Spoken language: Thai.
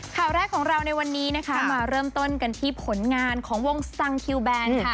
ข่าวแรกของเราในวันนี้นะคะมาเริ่มต้นกันที่ผลงานของวงสังคิวแบนค่ะ